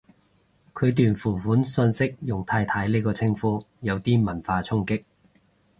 佢段付款訊息用太太呢個稱呼，有啲文化衝擊